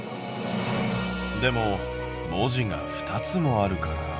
でも文字が２つもあるから。